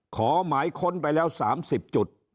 ขอหมายค้นไปแล้ว๓๐จุด